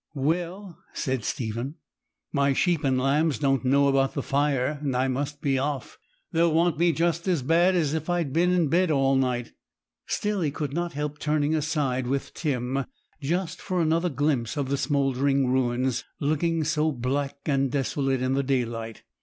'Well,' said Stephen, 'my sheep and lambs don't know about the fire, and I must be off. They'll want me just as bad as if I'd been in bed all night.' Still he could not help turning aside with Tim just for another glimpse of the smouldering ruins, looking so black and desolate in the daylight.